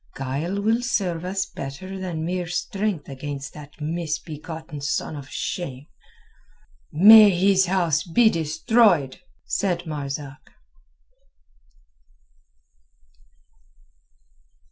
Guile will serve us better than mere strength against that misbegotten son of shame." "May his house be destroyed!" said Marzak.